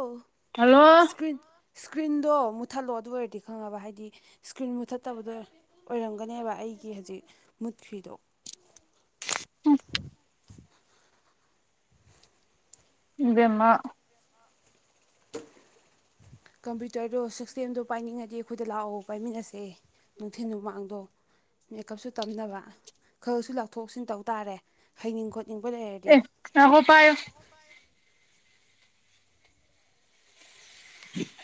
ꯑꯣ hello screen ꯏꯁꯀ꯭ꯔꯤꯟꯗꯣ ꯃꯨꯠꯊꯠꯂꯣ ꯑꯗꯨ ꯑꯣꯏꯔꯗꯤ ꯈꯪꯉꯕ ꯍꯥꯏꯗꯤ ꯏꯁꯀ꯭ꯔꯤꯟ ꯃꯨꯠꯊꯠꯇꯕꯗꯣ ꯑꯣꯏ ꯑꯣꯏꯔꯝꯒꯅꯦꯕ ꯑꯩꯒꯤ ꯍꯧꯖꯤꯛ ꯃꯨꯠꯐꯤꯗꯣ ꯏꯦꯝꯃ ꯀꯝꯄ꯭ꯌꯨꯇꯔꯗꯣ ꯁꯤꯁꯇꯦꯝꯗꯣ ꯄꯥꯏꯅꯤꯡꯉꯗꯤ ꯑꯩꯈꯣꯏꯗ ꯂꯥꯛꯑꯣ ꯄꯥꯏꯃꯤꯟꯅꯁꯦ ꯅꯨꯡꯊꯤꯤꯟ ꯅꯨꯃꯥꯡꯗꯣ ꯃꯦꯀꯞꯁꯨ ꯇꯝꯅꯕ ꯈꯔꯁꯨ ꯂꯧꯊꯣꯛꯁꯤꯟ ꯇꯧ ꯇꯥꯔꯦ ꯍꯩꯅꯤꯡ ꯈꯣꯠꯅꯤꯡꯕ ꯂꯩꯔꯗꯤ ꯅꯉꯣ ꯄꯥꯏꯣ ꯎꯝ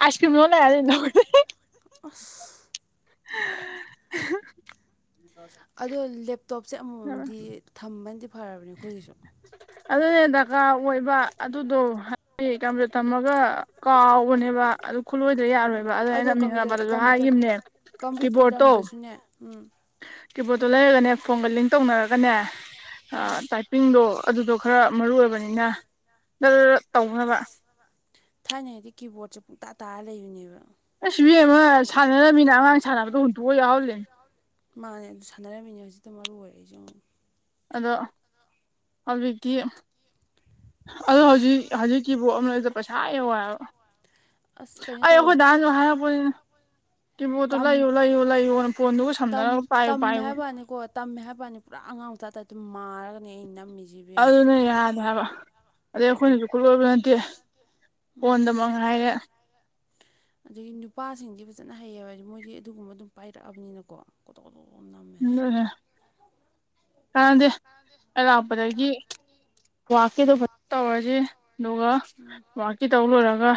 ꯑꯥꯏꯁꯀ꯭ꯔꯤꯃ ꯂ ꯂꯥꯏꯅꯔ ꯑꯁ [unintelligible] ꯑꯗꯣ ꯂꯦꯞꯇꯣꯞꯁꯦ ꯑꯃꯃꯝꯗꯤ ꯊꯝꯕꯗꯤ ꯐꯔꯕꯅꯤ ꯑꯩꯈꯣꯏꯒꯤꯁꯨ ꯑꯗꯨꯅꯦ ꯗꯔꯀꯥꯔ ꯑꯣꯏꯕ ꯑꯗꯨꯗꯣ ꯍꯥꯏ ꯀꯝꯄ꯭ꯂꯦ ꯊꯝꯃꯒ ꯀꯥꯎ ꯀꯣꯅꯦꯕ ꯑꯗꯨ ꯈꯨꯠꯂꯣꯏꯗ꯭ꯔ ꯌꯥꯔꯣꯏꯕ ꯑꯗꯨꯅ ꯑꯗꯣ ꯀꯝꯄ꯭ꯌꯨꯇꯔ ꯑꯩꯅꯃꯤꯡꯉꯝꯕꯗꯁꯨ ꯀꯝꯄ꯭ꯌꯨꯇꯔ ꯍꯥꯏꯈꯤꯕꯅꯦ ꯀꯝꯄ꯭ꯌꯨꯇꯔ ꯂꯝꯗꯁꯨꯅꯦ ꯎꯝ ꯀꯤꯕꯣꯔꯠꯇꯣ ꯂꯩꯔꯒꯅꯦ ꯐꯣꯟꯒ ꯂꯤꯡ ꯇꯧꯅꯔꯒꯅꯦ ꯇꯥꯏꯄꯤꯡꯗꯣ ꯑꯗꯨꯗꯣ ꯈꯔ ꯃꯔꯨ ꯑꯣꯏꯕꯅꯤꯅ ꯅ ꯇꯧꯅꯕ ꯊꯥꯏꯅꯉꯩꯗꯤ ꯀꯤꯕꯣꯔꯗꯁꯦ ꯄꯨꯡꯇꯥ ꯇꯥꯔ ꯂꯩꯕꯅꯦꯕ ꯑꯩ ꯁꯤ ꯚꯕꯤꯦꯝ ꯑꯃ ꯁꯥꯟꯅꯔꯝꯃꯤꯅ ꯑꯉꯥꯡ ꯁꯥꯟꯅꯕꯗꯣ ꯍꯨꯟꯇꯣꯛꯑꯒ ꯌꯥꯎꯍꯜꯂꯦ ꯃꯥꯅꯦ ꯑꯗꯨ ꯁꯥꯟꯅꯔꯝꯃꯤꯅꯦ ꯍꯧꯖꯤꯛꯇꯗ ꯃꯔꯨ ꯑꯣꯏꯔꯛꯏꯁꯦ ꯑꯃꯉꯛ ꯑꯗꯣ ꯍꯧꯖꯤꯛꯇꯤ ꯑꯗꯨ ꯍꯧꯖꯤꯛ ꯍꯧꯖꯤꯛꯀꯤ ꯄꯣꯠ ꯑꯃꯅꯗ ꯄꯩꯁꯥ ꯏ ꯍꯥꯏꯕ ꯑꯁ ꯀꯩꯅꯣ ꯇꯧꯋꯦ ꯑꯈꯣꯏ ꯗ ꯋꯥ ꯍꯥꯔꯕꯨ ꯀꯤꯕꯣꯔꯠꯇꯨ ꯇꯝ ꯂꯩꯌꯨ ꯂꯩꯌꯨ ꯂꯩꯌꯨꯅ ꯐꯣꯟꯗꯨꯒ ꯇꯝ ꯁꯝꯅꯔꯒ ꯄꯥꯏꯌꯨ ꯇꯝꯃꯦ ꯄꯥꯏꯌꯨꯅ ꯍꯥꯏꯕꯅꯤꯀꯣ ꯇꯝꯃꯦ ꯍꯥꯏꯕꯅꯤ ꯄꯨꯔꯥ ꯑꯉꯥꯡ ꯃꯆꯥꯥꯇ ꯑꯗꯨꯝ ꯃꯥꯔꯒꯅꯤ ꯑꯩꯩꯅ ꯅꯝꯃꯤꯁꯤꯦ ꯑꯗꯨꯅ ꯌꯥꯗꯦ ꯍꯥꯏꯕ ꯑꯗꯩ ꯑꯩꯈꯣꯏꯅꯁꯨ ꯌꯥꯗꯦꯕ ꯈꯨꯠꯣꯏꯕ ꯅꯠꯇꯦ ꯎꯝ ꯐꯣꯟꯗ ꯃ ꯉꯥꯏꯔꯦ ꯑꯗꯒꯤ ꯅꯨꯄꯥꯁꯤꯡꯗꯤ ꯐꯖꯅ ꯍꯩꯌꯦꯕ ꯍꯥꯏꯗꯤ ꯃꯣꯏꯗꯤ ꯑꯗꯨꯒꯨꯝꯕ ꯑꯗꯨꯝ ꯄꯥꯏꯔꯛꯑꯕꯅꯤꯅꯀꯣ ꯀꯣ ꯀꯅꯥꯝꯃꯦ ꯍꯥꯏ ꯀꯔꯗꯤ ꯑꯔꯥꯛꯄꯗꯒꯤ ꯋꯥꯛꯀꯤꯗꯨꯣ ꯐꯖ ꯇꯧꯔꯁꯤ ꯑꯗꯨꯒ ꯋꯥꯛꯀꯤ ꯇꯧ ꯂꯣꯏꯔꯒ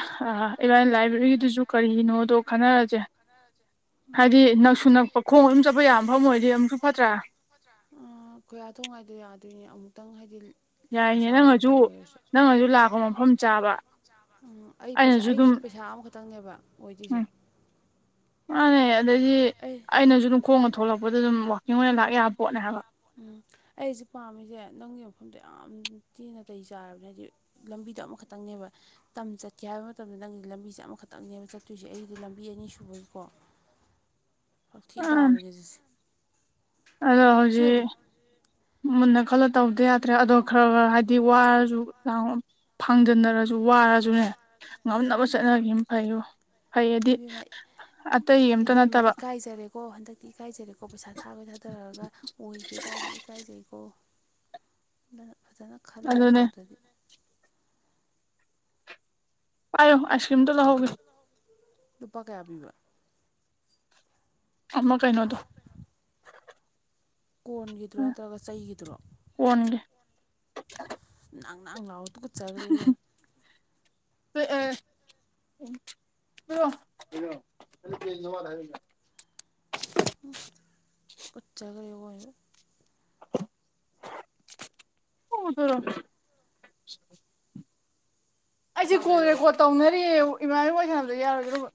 ꯏꯔꯥꯏ ꯂꯥꯏꯕ꯭ꯔꯦꯔꯤꯒꯤꯗꯨꯁꯨ ꯀꯔꯤꯅꯣꯗꯣ ꯈꯟꯅꯔꯁꯦ ꯎꯝ ꯍꯥꯏꯗꯤ ꯅꯛꯁꯨ ꯅꯛꯄ ꯈꯣꯡ ꯑꯗꯨꯝ ꯆꯠꯄ ꯌꯥꯝ ꯐ ꯑꯣꯏꯗꯤ ꯑ ꯄꯠꯇ꯭ꯔꯥ ꯈꯨꯣꯏꯌꯥ ꯊꯣꯡ ꯍꯥꯏꯥꯏꯗ ꯌꯥꯗꯣꯏꯅꯦ ꯑꯃꯨꯛꯇꯪ ꯍꯥꯏꯗꯤ ꯌꯥꯏꯅꯦ ꯄꯩꯁꯥꯗꯣ ꯅꯪꯅꯁꯨ ꯑꯃꯇꯪ ꯑꯣꯏꯔꯁꯨ ꯅꯪꯅꯁꯨ ꯂꯥꯛꯄ ꯃꯐꯝ ꯆꯥꯕ ꯎꯝ ꯑꯩ ꯄꯩꯁꯥ ꯑꯩꯅꯁꯨ ꯑꯗꯨꯝ ꯑꯩꯁꯨ ꯄꯩꯁꯥ ꯑꯃꯈꯛꯇꯪꯅꯦꯕ ꯑꯣꯏꯗꯣꯏꯁꯦ ꯑꯅꯦ ꯑꯗꯗꯤ ꯑꯩ ꯑꯩꯅꯁꯨ ꯑꯗꯨꯝ ꯈꯣꯡꯅꯒ ꯊꯣꯛꯂꯛꯄꯗ ꯑꯗꯨꯝ ꯋꯀꯤꯡ ꯑꯣꯏꯅ ꯂꯥꯛ ꯌꯥꯕ ꯄꯣꯠꯅꯦ ꯂ ꯍꯥꯏꯕ ꯌꯥꯣ ꯎꯝ ꯑꯩꯁꯤ ꯄꯥꯝꯃꯤꯁꯦ ꯅꯪꯒꯤ ꯃꯐꯝꯗꯣ ꯌꯥꯝ ꯇꯤꯅ ꯇꯩ ꯆꯥꯔꯕꯅꯤ ꯍꯥꯏꯗꯤ ꯂꯝꯕꯤꯗꯣ ꯑꯃꯈꯛꯇꯪꯅꯦꯕ ꯇꯝ ꯆꯠꯀꯦ ꯍꯥꯏꯕ ꯃꯇꯝꯗ ꯅꯪꯒꯤꯗꯤ ꯂꯝꯕꯤꯁꯦ ꯑꯃꯈꯛꯇꯪꯅꯦꯦꯝꯕ ꯆꯠꯇꯣꯏꯁꯦ ꯑꯩꯒꯤꯗꯤ ꯂꯝꯕꯤ ꯑꯅꯤ ꯁꯨꯕꯒꯤꯀꯣ ꯊ ꯑ ꯇꯕꯅꯦ ꯑꯗꯣ ꯍꯧꯖꯤꯛ ꯃꯟꯅ ꯀꯂ ꯇꯧꯗ ꯌꯥꯗ꯭ꯔꯦ ꯑꯗꯣ ꯈꯔ ꯈꯔ ꯍꯥꯏꯗꯤ ꯋꯥꯔꯁꯨ ꯐꯥꯡꯖꯟꯅꯔꯁꯨ ꯋꯥꯔꯁꯨꯅꯦ ꯉꯝꯅꯕ ꯆꯠꯅꯈꯤꯕꯅ ꯐꯩꯌꯣ ꯐꯩ ꯍꯥꯏꯗꯤ ꯏꯕꯦꯝꯃ ꯏꯕꯦꯝꯃ ꯏꯀꯥꯏꯖꯔꯦꯀꯣ ꯍꯟꯗꯛ ꯗꯤ ꯏꯀꯥꯏꯖꯔꯦꯀꯣ ꯄꯩꯁꯥ ꯊꯥꯈꯣꯏ ꯊꯥꯗꯔꯛꯒ ꯑꯣꯏꯗꯦ ꯀꯥꯏꯗꯤ ꯏꯀꯥꯏꯖꯩꯀꯣ ꯐꯖꯅ ꯈꯜꯂꯒ ꯑꯗꯨꯅꯦ ꯇꯧꯗꯕꯤ ꯄꯥꯏꯌꯣ ꯑꯁ꯭ꯔꯤꯝ ꯇ ꯂꯧꯍꯧꯒꯦ ꯂꯨꯄꯥ ꯀꯌꯥ ꯄꯤꯕ ꯑꯃ ꯀꯩꯅꯣꯗꯣ [inaudible] ꯀꯣꯟꯒꯤꯗꯨꯔꯣ ꯅꯠꯇ꯭ꯔꯒ ꯆꯩꯒꯤꯗꯨꯔꯣ ꯀꯣꯟꯒꯤ ꯅꯪ ꯅꯪ ꯂꯥꯛꯑꯣ ꯇꯨ ꯀꯠꯆꯈ꯭ꯔꯦꯕ ꯑ ꯀꯣ ꯑꯗꯨ ꯀ ꯋꯥꯔ ꯍꯥꯏ ꯇꯨꯀꯠꯆꯈꯔ꯭ꯦ ꯑꯣꯏ [unintelligible] ꯑꯩꯁꯦ ꯀꯣꯜ ꯔꯦꯀꯣꯔꯠ ꯇꯧꯅꯔꯤꯌꯦ ꯏꯃꯥ ꯏꯕꯣꯏꯁꯥꯟꯅꯕꯗ ꯌꯥꯔꯣꯏꯗ꯭ꯔꯕ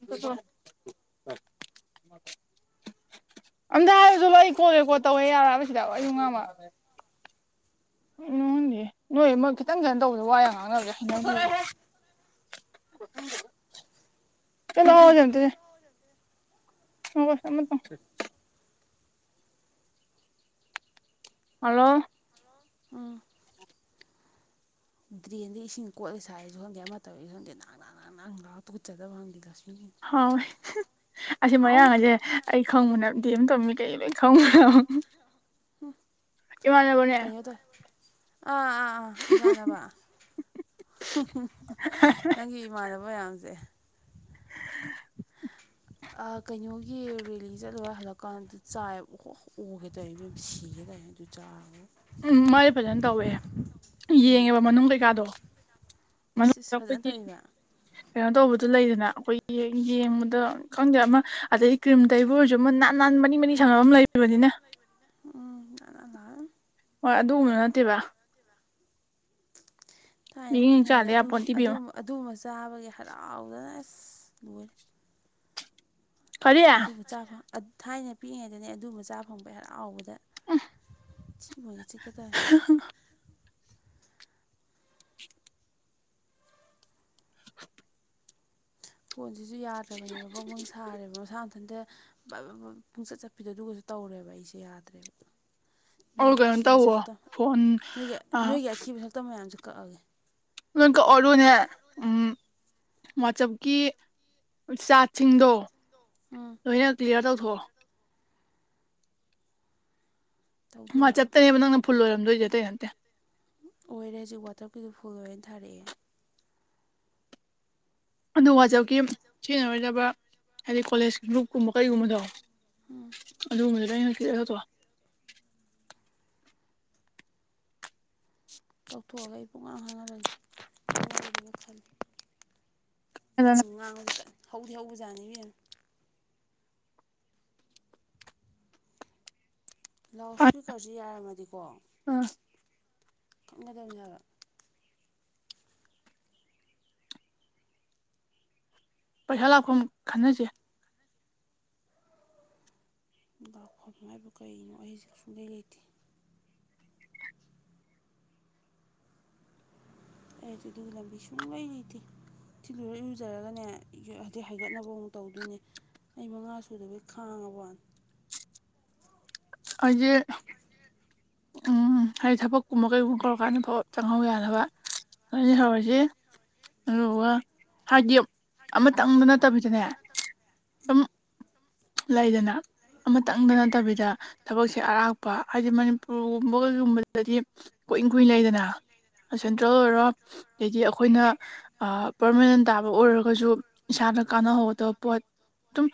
ꯑꯗ ꯑꯗꯨꯕꯨ ꯑꯩ ꯀꯣꯜꯂꯦ ꯀꯣꯠ ꯇꯧꯋꯦ ꯌꯥꯔꯥꯕꯁꯤꯗ ꯑꯩꯁꯨ ꯉꯝꯃꯦ ꯎ ꯅꯗꯤ ꯅꯣꯏꯣꯏ ꯈꯤꯇꯪ ꯈꯤꯇꯪ ꯇꯧꯕꯗꯣ ꯋꯥꯏ ꯌꯥꯝ ꯉꯥꯡꯉꯒꯦ ꯆꯂꯣ ꯍꯧꯖꯗꯅꯦ ꯍꯁ ꯍꯜꯂꯣ ꯎꯟ ꯗ꯭ꯔꯦꯟꯗ ꯏꯁꯤꯡ ꯀꯣꯠꯂ ꯁꯥꯏꯁꯨ ꯈꯪꯗꯦ ꯑꯃꯠꯇ ꯑꯩꯁꯨ ꯍꯪꯗꯦ ꯅꯍꯅꯥꯥꯡ ꯅꯅꯥꯪ ꯂ ꯇꯨꯠꯆꯗꯕ ꯍꯪꯗꯦ ꯂꯛꯁꯃꯤ ꯍꯥꯎ ꯑꯁꯤ ꯃꯌꯥꯡ ꯑꯁꯦ ꯑꯩ ꯈꯪꯕ ꯅꯗꯤ ꯑꯃ ꯇꯧꯃꯤ ꯀꯩ ꯈ ꯏꯃꯥꯟꯅꯕꯅꯦ ꯑꯗ ꯑꯥ ꯑꯥ ꯑꯥ ꯏꯃꯥꯟꯅꯕ ꯅꯪꯒꯤ ꯏꯃꯥꯟꯅꯕ ꯃꯌꯥꯝꯁꯦ [inaudible] ꯀꯩꯅꯣꯒꯤ ꯔꯦꯂꯤ ꯆꯠꯂꯒ ꯍꯜꯂꯛꯀꯥꯟꯗ ꯆꯥꯏ ꯑꯣꯒꯦ ꯇꯧ ꯃ ꯁꯤꯒꯦ ꯇꯧ ꯇ ꯆꯥꯕ ꯎꯝ ꯃꯥꯁꯦ ꯐꯖꯅ ꯇꯧꯋꯦ ꯌꯦꯡꯉꯦꯕ ꯃꯅꯨꯡ ꯀꯩꯀꯥꯗꯣ ꯃꯣꯏ ꯏꯁ ꯏꯁ ꯐꯖꯅ ꯇꯧꯋꯦꯕ ꯀꯩꯅꯣ ꯇꯧꯕꯗꯨꯣ ꯂꯩꯗꯅ ꯑꯩꯈꯣꯏꯒꯤ ꯌꯦꯡꯕꯗ ꯈꯪꯗꯦ ꯑꯃ ꯑꯗꯩ ꯀ꯭ꯔꯤꯝ ꯇꯩꯕꯨ ꯑꯣꯏꯔꯁꯨ ꯑꯃꯨꯛ ꯅꯍꯥꯟ ꯅꯍꯥꯟ ꯃꯅꯤꯡ ꯃꯅꯤ ꯁꯪꯉꯅꯕ ꯑꯃ ꯂꯩꯕꯅꯤꯅ ꯎꯝ ꯂꯅꯥ ꯂ ꯍꯣꯏ ꯑꯗꯨꯒꯨꯝꯕꯗꯨ ꯅꯠꯇꯦꯕ ꯊꯥꯏꯅ ꯌꯦꯡ ꯌꯦꯡ ꯄꯤꯛꯏꯉꯩꯗ ꯆꯥꯗ ꯌꯥꯄꯣꯟꯇꯦ ꯏꯕꯦꯝꯃ ꯑꯗꯨꯕ ꯆꯥꯕꯒꯤ ꯍꯔꯥꯎꯗꯅ ꯑꯁ ꯂꯣꯏꯔꯦ ꯀꯔꯤ ꯑꯗꯨꯕꯨ ꯊꯥꯏꯅ ꯄꯤꯛꯏꯉꯩꯗꯅꯦ ꯑꯗꯨꯕꯨ ꯆꯥ ꯐꯪꯕ ꯍꯔ ꯍꯥꯎꯕꯗ ꯆꯥꯛ ꯆꯠꯃꯣꯏ ꯏꯆꯀꯗ ꯐꯣꯟꯁꯤꯁꯨ ꯌꯥꯗ꯭ꯔꯕꯅꯦꯕ ꯃꯥꯎ ꯃꯪꯁ ꯊꯥꯔꯦꯕ ꯃꯁꯥ ꯃꯊꯟꯇ ꯄꯨꯡꯆꯠ ꯆꯠꯄꯤꯗꯣꯗꯨꯒꯁꯨ ꯇꯧꯔꯦꯕ ꯑꯩꯁꯨꯦ ꯌꯥꯗ꯭ꯔꯦꯕ ꯑꯣ ꯅꯣꯏꯒꯤ ꯀꯩꯅꯣ ꯑꯊꯤꯕ ꯇꯧꯋꯣ ꯁꯛꯇꯝ ꯐꯣꯟ ꯅꯣꯏꯒꯤ ꯑꯥ ꯅꯣꯏꯒꯤ ꯑꯊꯤꯕ ꯁꯛꯇꯝ ꯃꯌꯥꯝꯁꯦ ꯀꯛꯑꯒꯦ ꯂꯣꯏꯀ ꯑꯔꯟ ꯍ ꯎꯝ ꯋꯥꯆꯕꯀꯤ ꯁꯥ ꯁꯤꯡꯗꯣ ꯎꯝ ꯂꯣꯏꯅ ꯀ꯭ꯂꯤꯌꯥꯔ ꯇꯧꯊꯣꯛꯑꯣ ꯃꯥ ꯇꯧꯗꯣꯏꯕ ꯆꯠꯇꯅꯦꯕ ꯅꯪꯅ ꯐꯨꯜ ꯂꯣꯏꯔꯝꯗꯣꯏꯁꯦ ꯑꯇꯩ ꯅꯠꯇꯦ ꯑꯣꯏꯔꯦ ꯍꯧꯖꯤꯛ ꯋꯥꯇꯔ ꯀꯗꯣ ꯐꯨꯜ ꯑꯣꯏꯔꯦꯅ ꯊꯥꯔꯛꯑꯦ ꯑꯗꯨ ꯋꯥꯆꯞꯀꯤ ꯁꯤꯖꯤꯟꯅꯔꯣꯏꯗꯕ ꯍꯥꯏꯗꯤ ꯀꯣꯂꯦꯖꯀꯤ ꯒ꯭ꯔꯨꯞꯀꯨꯝꯕ ꯀꯩꯒꯨꯝꯕꯗꯣ ꯎꯝ ꯑꯗꯨꯒꯨꯝꯕꯗꯨꯗ ꯑꯩꯅ ꯀꯤꯒꯗꯣ ꯇꯧꯊꯣꯛꯑꯒ ꯑꯩ ꯄꯨꯡꯉꯥꯡ ꯍꯥꯡꯍꯜꯂꯁꯤ ꯍꯪꯍꯜꯂꯒꯦꯅ ꯈꯜꯂꯤ ꯅꯪꯅ ꯉꯥꯡꯉꯗꯤ ꯀ ꯍꯧꯗꯤ ꯍꯧꯕꯖꯥꯠꯅꯤꯕꯅ ꯂꯥꯎꯠ ꯏꯁꯄꯤꯀꯔꯁꯤ ꯌꯥꯔꯝꯃꯗꯤꯀꯣ ꯑꯥ ꯈꯪꯒꯗꯕꯅꯦ ꯍꯥꯏꯕ ꯄꯩꯁꯥ ꯂꯥꯛꯐꯝ ꯈꯟꯅꯁꯦ ꯕꯥꯛꯐꯝ ꯍꯥꯏꯕ ꯀꯩꯅꯣ ꯑꯩꯁꯦ ꯁꯨꯡꯗꯩ ꯂꯩꯇꯦ ꯑꯗꯤꯗꯨ ꯂꯝꯕꯤ ꯁꯨ ꯉꯏ ꯊꯤ ꯊꯤꯜꯂꯨꯔꯔꯨꯖꯔꯒꯅꯦ ꯍꯥꯏꯗꯤ ꯍꯥꯏꯒꯠꯅꯕ ꯑꯃꯨꯛ ꯇꯧꯗꯣꯏꯅꯦ ꯑꯩ ꯃꯉꯥ ꯁꯨꯗꯕꯩ ꯈꯥꯡꯉꯕꯅꯤ ꯑꯩꯒꯤꯦ ꯎꯝ ꯍꯥꯏꯗꯤ ꯊꯕꯛꯀꯨꯝꯕ ꯀꯩꯒꯨꯝꯕ ꯀꯧꯔꯀꯥꯟꯗ ꯐꯥꯎ ꯆꯪꯍꯧ ꯌꯥꯗꯅꯕ ꯑꯗꯨꯩꯅ ꯍꯧꯧꯔꯁꯤ ꯑꯗꯨꯒ ꯍꯥꯏꯗꯤ ꯑꯃꯇꯪꯗ ꯅꯠꯇꯕꯤꯗꯅꯦ ꯁꯨꯝ ꯂꯩꯗꯅ ꯑꯃꯇꯪꯗ ꯅꯠꯇꯕꯤꯗ ꯊꯕꯛꯁꯦ ꯑꯔꯥꯛꯞꯄ ꯍꯥꯏꯗꯤ ꯃꯅꯤꯄꯨꯔꯒꯨꯝꯕ ꯀꯩꯒꯨꯝꯕꯗꯗꯤ ꯀꯨꯏꯅ ꯀꯨꯏ ꯂꯩꯗꯅ ꯁꯦꯟꯇ꯭ꯔꯦꯜ ꯑꯣꯏꯔꯣ ꯑꯗꯩꯗꯤ ꯑꯩꯈꯣꯏꯅ ꯄꯔꯃꯥꯅꯦꯟ ꯇꯥꯕ ꯑꯣꯏꯔꯒꯁꯨ ꯏꯁꯥꯗ ꯀꯥꯟꯅꯍꯧꯒꯗꯕ ꯄꯣꯠ ꯑꯗꯨꯝ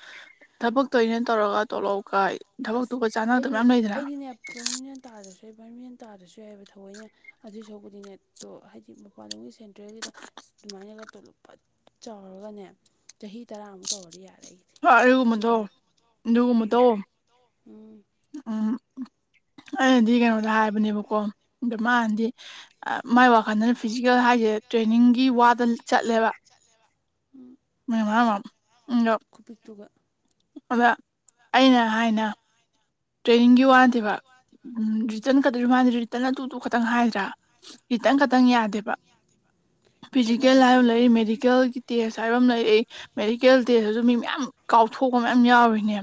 ꯊꯕꯛꯇꯣꯩꯅ ꯇꯧꯔꯒ ꯇꯣꯂꯛ ꯀꯥꯏ ꯑꯁ ꯑꯩꯗꯤ ꯑꯩꯗꯤꯅꯦ ꯄꯕꯔꯃꯤꯅꯦꯟ ꯇꯥꯗ꯭ꯔꯁꯨ ꯌꯥꯏ ꯄꯕꯔꯃꯤꯅꯦꯟ ꯇꯥꯗ꯭ꯔꯁꯨ ꯌꯥꯏꯑꯕ ꯊꯑꯣꯏꯅꯦ ꯑꯗꯨꯏ ꯁꯧꯕꯗꯤꯅꯦ ꯍꯥꯏꯗꯤ ꯃꯄꯥꯟꯂꯣꯝꯒꯤ ꯁꯦꯟꯇ꯭ꯔꯦꯜꯒꯤꯗ ꯑꯗꯨꯨꯃꯥꯏꯅꯒ ꯇꯣꯂꯣꯞꯄ ꯆꯥꯎꯔꯒꯅꯦ ꯆꯍꯤ ꯇꯔꯥꯃꯨꯛ ꯇꯧꯔꯗꯤ ꯌꯥꯔꯦ ꯑꯩꯗꯤ ꯁꯤ ꯑꯗꯨꯒꯨꯝꯕꯗꯣ ꯈꯜꯂꯤꯦ ꯎꯝ ꯑꯗꯨꯒꯨꯝꯕꯗꯣ ꯎꯝ ꯎꯝ ꯑꯩ ꯁꯤꯗꯤ ꯀꯩꯅꯣꯗ ꯍꯥꯏꯕꯅꯦꯕꯀꯣ ꯑꯗ ꯃꯥꯥꯟꯗꯤ ꯃꯥꯏ ꯋꯥꯈꯜꯗꯅ ꯐꯤꯖꯤꯀꯦꯜ ꯍꯥꯏꯁꯦ ꯇ꯭ꯔꯦꯅꯤꯡꯒꯤ ꯋꯥꯗ ꯆꯠꯂꯦꯕ ꯆꯠꯂꯦꯕ ꯎꯝ ꯃꯣ ꯄꯤꯛꯇꯨꯒ ꯑꯗ ꯑꯩꯅ ꯍꯥꯏꯅ ꯇ꯭ꯔꯦꯅꯤꯡꯒꯤ ꯋꯥꯅꯦꯕ ꯎꯝ ꯔꯤꯇꯟ ꯀꯠꯇꯣꯏꯔꯤ ꯃꯥꯗꯦ ꯔꯤꯇꯟ ꯑꯗꯨ ꯇꯨ ꯈꯛꯇꯪ ꯍꯥꯏꯗ꯭ꯔꯥ ꯈꯤꯇꯪ ꯎꯝ ꯈꯇꯪ ꯌꯥꯗꯦꯕ ꯐꯤꯖꯤꯀꯦꯜ ꯕꯩꯕꯥꯁꯨ ꯍꯥꯏꯕ ꯑꯃ ꯂꯩꯔ ꯆꯪꯉꯛꯇꯣꯏꯅꯤ ꯃꯦꯗꯤꯀꯦꯜꯒꯤ ꯇꯦꯁ ꯍꯥꯏꯕ ꯑꯃ ꯂꯩꯔꯛ ꯃꯦꯗꯤꯀꯦꯜ ꯗꯦꯇꯁꯨ ꯃꯤ ꯃꯌꯥꯝ ꯀꯥꯎꯊꯣꯛꯄ ꯃꯌꯥꯝ ꯌꯥꯎꯔꯤꯅꯦ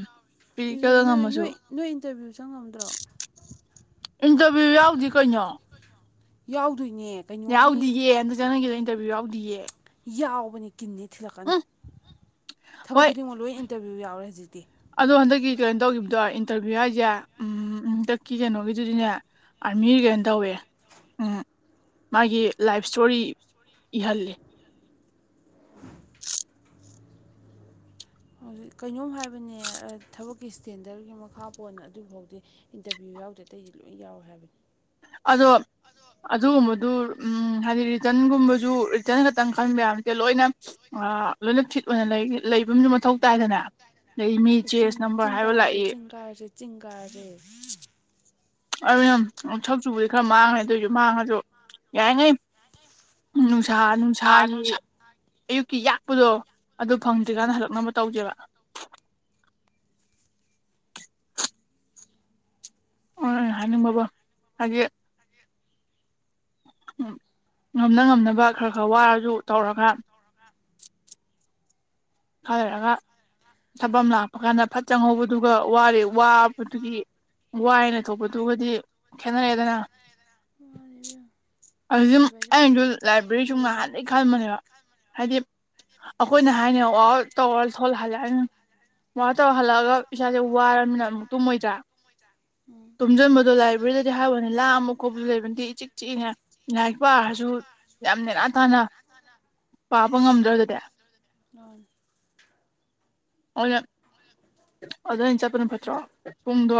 ꯃꯦꯗꯤꯀꯦꯜꯗ ꯅꯣꯏ ꯉꯝꯃꯁꯨ ꯅꯣꯏ ꯅꯣꯏ ꯏꯟꯇꯔꯚ꯭ꯌꯨ ꯆꯪꯉꯝꯗ꯭ꯔꯣ ꯏꯟꯇꯔꯚꯤꯌꯨ ꯌꯥꯎꯗꯤ ꯀꯩꯅꯣ꯫ ꯌꯥꯎꯗꯣꯏꯅꯦ꯫ ꯀꯩꯅꯣꯒꯤ ꯌꯥꯎꯗꯤꯌꯦ ꯍꯟꯗꯛ ꯆꯠꯅꯒꯦꯗꯣ ꯏꯟꯇꯔꯚꯤꯌ ꯌꯥꯎꯗꯤꯌꯦ꯫ ꯌꯥꯎꯕꯅꯤ ꯀꯤꯟꯅꯦ ꯊꯤꯜꯂꯛꯀꯅꯤ ꯎꯝ ꯊꯕꯛ ꯍꯣꯏ ꯈꯨꯗꯤꯡꯃꯛ ꯂꯣꯏ ꯏꯟꯇꯔꯕ꯭ꯌ ꯌꯥꯎꯔꯦ ꯍꯧꯖꯤꯛꯇꯤ꯫ ꯑꯗꯣ ꯍꯟꯗꯛꯀꯤ ꯀꯩꯅꯣ ꯇꯧꯈꯤꯕꯗꯣ ꯏꯟꯇꯔꯚꯤꯌꯨ ꯍꯥꯏꯁꯦ ꯎꯝ ꯍꯟꯗꯛꯀꯤ ꯀꯩꯅꯣꯒꯤꯗꯨꯗꯤꯅꯦ ꯑꯥꯔꯃꯤꯒꯩꯅ ꯇꯧꯋꯦ [inaudible] ꯎꯝ [unintelligible] ꯃꯥꯒꯤ ꯂꯥꯏꯐ ꯏꯁꯇꯣꯔꯤ ꯏꯍꯜꯂꯤ꯫ [unintelligible] ꯍꯧꯖꯤꯛ ꯀꯩꯅꯣꯝ ꯍꯥꯏꯕꯅꯦ ꯊꯕꯛꯀꯤ ꯏꯁꯇꯦꯟꯗꯔꯒꯤ ꯃꯈꯥ ꯄꯣꯟꯅ ꯑꯗꯨꯐꯥꯎꯗꯤ꯫ ꯏꯟꯇꯔꯚꯤꯌꯨ ꯌꯥꯎꯗ ꯑꯇꯩꯗꯤ ꯂꯣꯏ ꯌꯥꯎꯋꯦ ꯍꯥꯏꯕꯅꯤ꯫ ꯑꯗꯣ꯫ ꯑꯗꯨꯒꯨꯝꯕꯗꯨ ꯎꯝ ꯍꯥꯏꯗꯤ ꯔꯤꯇꯔꯟꯒꯨꯝꯕꯁꯨ ꯔꯤꯇꯔꯟ ꯈꯛꯇꯪ ꯀꯟꯕ ꯌꯥꯕ ꯅꯥꯠꯇꯦ ꯂꯣꯏꯅ꯫ ꯑ ꯂꯣꯏꯅ ꯐꯤꯠ ꯑꯣꯏꯅ ꯂꯩ ꯂꯩꯕ ꯑꯃꯁꯁꯨ ꯃꯊꯧ ꯇꯥꯏꯗꯅ꯫ ꯑꯗꯩꯩ ꯃꯤ ꯆꯦꯁ ꯅꯝꯕꯔ ꯍꯥꯏꯕ ꯂꯥꯛꯏ꯫ [unintelligible] ꯆꯤꯡꯒꯥꯔꯦꯁꯦ꯫ ꯑꯗꯨꯅ ꯁꯛ ꯆꯨꯕꯨꯗꯤ ꯈꯔ ꯃꯥꯡꯉꯥꯅꯤ ꯑꯗꯣꯏꯁꯨ ꯃꯥꯡꯉꯁꯨ ꯌꯥꯔꯤꯉꯩ꯫ ꯅꯨꯡꯁꯥ ꯅꯨꯡꯁꯥꯒꯤ ꯑꯌꯨꯛꯀꯤ ꯌꯥꯛꯄꯗꯣ ꯑꯗꯨ ꯎꯝ ꯐꯪꯗ꯭ꯔꯤꯀꯥꯟꯅ ꯍꯜꯂꯛꯅꯕ꯫ ꯇꯧꯖꯦꯕ꯫ [inaudible] ꯑꯗꯨꯅꯦ ꯑꯩꯅ ꯍꯥꯏꯅꯤꯡꯕꯕꯨ ꯍꯥꯏꯗꯤ꯫ ꯎꯝ ꯉꯝꯅ ꯉꯝꯅꯕ ꯈꯔ ꯈꯔ ꯋꯥꯔꯁꯨ ꯇꯧꯔꯒ꯫ ꯈꯔ ꯂꯩꯔꯒ ꯊꯕꯥꯛ ꯑꯃꯥ ꯂꯥꯛꯄ ꯀꯥꯟꯗ ꯐꯠ ꯆꯍꯧꯕꯗꯨꯒ ꯋꯥꯔꯦ ꯋꯥꯕꯗꯨꯒꯤ꯫ ꯋꯥꯏꯌꯦꯅ ꯂꯩꯊꯣꯛꯄꯗꯨꯒꯗꯤ ꯈꯦꯠꯅꯔꯦꯗꯅ꯫ ꯃꯥꯅꯤ ꯏꯕꯦꯝ꯫ ꯑꯁꯤꯗꯨ ꯑꯩꯩꯅꯁꯨ ꯂꯥꯏꯕ꯭ꯔꯤ ꯁꯨꯝ ꯐꯖꯕ ꯉꯥꯏꯍꯥꯟꯗꯩꯩ ꯈꯟꯕꯅꯦꯕ꯫ ꯍꯥꯏꯗꯤ ꯑꯩꯈꯣꯏꯅ ꯍꯥꯏꯅ ꯋꯥꯛꯑꯥꯎꯠ ꯇꯧꯔ ꯊꯣꯛꯂꯥꯛ ꯍꯟꯂꯥꯛꯑꯅꯤ꯫ ꯋꯥꯛꯑꯥꯎꯠ ꯇꯧꯔ ꯍꯜꯂꯛꯑꯒ ꯏꯁꯥꯁꯦ ꯋꯥꯔꯝꯅꯤꯅ ꯑꯃꯨꯛ ꯇꯨꯝꯃꯣꯏꯗ꯭ꯔꯥ ꯎꯝ ꯇꯨꯝꯁꯤꯟꯕꯗꯣ ꯂꯥꯏꯕ꯭ꯔꯦꯔꯤꯗ ꯍꯥꯏ ꯋꯦꯅꯤ ꯂꯥꯡꯕ ꯀꯧꯕꯀ ꯂꯩꯕꯁꯨ ꯅꯠꯇꯦ ꯏꯆꯤꯛ ꯆꯤꯛꯏꯅꯦ꯫ ꯂꯥꯏꯔꯤꯛ ꯄꯥꯔꯁꯨ ꯌꯥꯝ ꯅꯦꯅꯥ ꯇꯥꯅ ꯄꯥꯕ ꯎꯝ ꯉꯝꯗ꯭ꯔ ꯑꯗꯨꯗꯤ꯫ [unintelligible] [unintelligible] [inaudible] ꯑꯗ ꯑꯣꯏꯅ ꯆꯠꯄꯅ ꯐꯠꯇ꯭ꯔꯣ ꯄꯨꯡꯗꯣ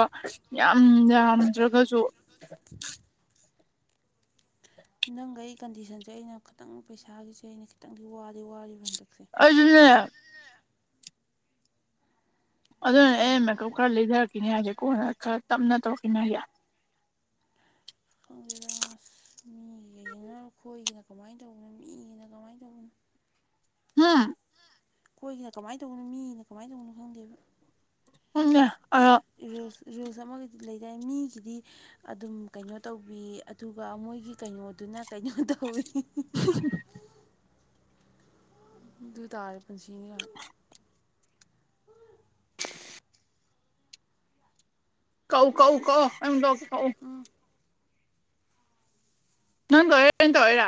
ꯌꯥꯝ ꯌꯥꯝꯗ꯭ꯔꯒꯁꯨ꯫ [inaudible] ꯅꯪꯒ ꯑꯩ ꯀꯟꯗꯤꯁꯟꯁꯦ ꯑꯩꯅ ꯈꯇꯪ ꯄꯩꯁꯥꯒꯤꯁꯦ ꯑꯩꯅ ꯈꯤꯇꯪꯗꯤ ꯋꯥꯗꯤ ꯋꯥꯔꯤꯕ ꯍꯟꯗꯛꯁꯦ꯫ ꯑꯩꯖꯨꯅꯦ꯫ ꯑꯗꯨꯅꯅꯦ ꯍꯟꯗꯛꯁꯦ ꯑꯩꯅ ꯃꯦꯀꯥꯞ ꯈꯔ ꯂꯤꯊꯔꯛꯈꯤꯅꯤ ꯍꯥꯏꯁꯦ ꯀꯣꯟꯅ ꯈꯔ ꯇꯞꯅ ꯇꯧꯔꯛꯈꯤꯅꯤ ꯍꯥꯏꯁꯦ꯫ ꯈꯪꯗꯦꯗ ꯑꯁ ꯃꯤꯒꯩꯁꯤꯅ ꯑꯩꯈꯣꯏꯒꯤꯅ ꯀꯃꯥꯏꯅ ꯇꯧꯕꯅꯣ ꯃꯤꯒꯤꯅ ꯀꯃꯥꯏꯅ ꯇꯧꯕꯅꯣ꯫ ꯍꯨꯝ꯫ ꯑꯈꯣꯏꯒꯤꯅ ꯀꯃꯥꯏꯟ ꯇꯧꯕꯅꯣ ꯃꯤꯒꯤꯅ ꯀꯃꯥꯏꯟ ꯇꯧꯕꯅꯣ ꯈꯪꯗꯦꯕ꯫ ꯈꯪꯗꯦ ꯑꯗꯣ꯫ ꯔꯤꯁ ꯔꯤꯁ ꯑꯃꯒꯤ ꯂꯩꯗꯥꯏ ꯃꯤꯒꯤꯗꯤ꯫ ꯑꯗꯨꯝ ꯀꯩꯅꯣ ꯇꯧꯕꯤ ꯑꯗꯨꯒ ꯃꯣꯏꯒꯤ ꯀꯩꯅꯣꯗꯨꯅ ꯀꯩꯅꯣ ꯇꯧꯋꯤ꯫ [unintelligible] ꯑꯗꯨ ꯇꯥꯥꯔꯦ ꯄꯨꯟꯁꯤꯅꯤ ꯀꯥꯏꯅ꯫ ꯀꯧ ꯀꯧ ꯀꯧ [unintelligible] ꯎꯝ ꯅꯪ ꯇꯧꯔꯛꯏꯔ ꯑꯩꯅ ꯇꯧꯔꯛꯏꯔ꯫